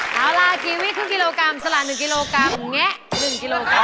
แล้วลากรีวีครึ่งกิโลกรัมสละหนึ่งกิโลกรัมแงะหนึ่งกิโลกรัม